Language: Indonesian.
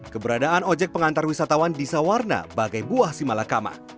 keberadaan ojek pengantar wisatawan di sawarna bagai buah simalakama